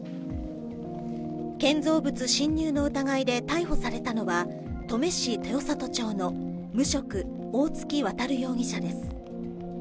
建造物侵入の疑いで逮捕されたのは、登米市豊里町の無職、大槻渉容疑者です。